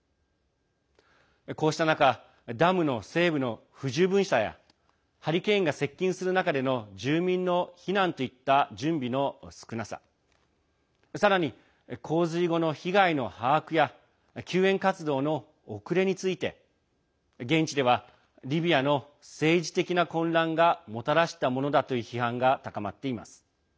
こうした中ダムの整備の不十分さやハリケーンが接近する中での住民の避難といった準備の少なささらに、洪水後の被害の把握や救援活動の遅れについて現地ではリビアの政治的な混乱がもたらしたものだという批判が高まっています。